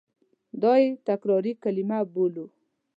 دا یې تکراري کلیمه بولو.